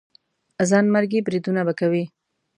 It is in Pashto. ځانمرګي بریدونه به کوي.